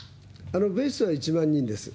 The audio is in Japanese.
ベースは１万人です。